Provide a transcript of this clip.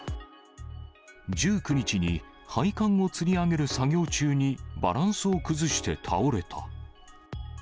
１９日に配管をつり上げる作業中に、バランスを崩して倒れた。